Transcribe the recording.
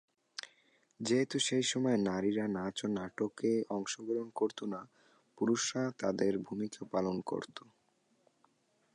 যেহেতু সেইসময় নারীরা নাচ বা নাটকে অংশগ্রহণ করত না, পুরুষরা তাদের ভূমিকা পালন করত।